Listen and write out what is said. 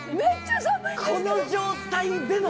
この状態での！